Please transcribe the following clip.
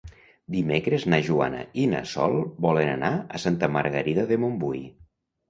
Dimecres na Joana i na Sol volen anar a Santa Margarida de Montbui.